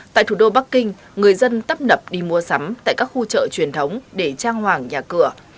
tại thủ đô bắc kinh người dân tấp nập đi mua sắm tại các khu chợ truyền thống để trang hoàng nhà cửa